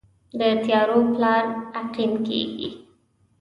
د تیارو پلار عقیم کیږي